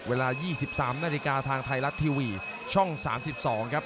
เวลา๒๓นาฬิกาทางไทยรัฐทีวีช่อง๓๒ครับ